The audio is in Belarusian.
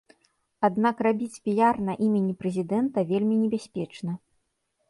Аднак рабіць піяр на імені прэзідэнта вельмі небяспечна.